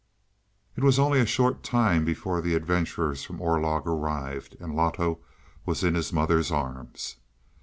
It was only a short time before the adventurers from Orlog arrived, and Loto was in his mother's arms.